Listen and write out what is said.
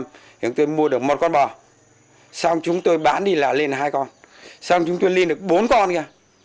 thì chúng tôi mua được một con bò xong chúng tôi bán đi là lên hai con xong chúng tôi lên được bốn con kia